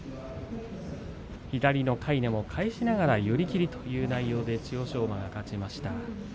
左のかいなを返しながら寄り切りという内容で千代翔馬が勝ちました。